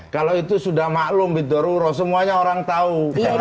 kalau itu sudah maklum bintur uroh semuanya orang tahu